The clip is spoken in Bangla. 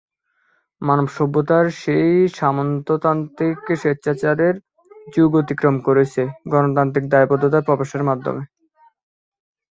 মানবসভ্যতা সেই সামন্ততান্ত্রিক স্বেচ্ছাচারের যুগ অতিক্রম করেছে গণতান্ত্রিক দায়বদ্ধতায় প্রবেশের মাধ্যমে।